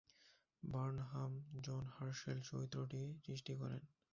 Burnham "John Herschel" চরিত্রটি সৃষ্টি করেন।